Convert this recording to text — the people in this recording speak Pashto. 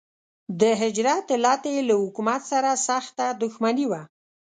د هجرت علت یې له حکومت سره سخته دښمني وه.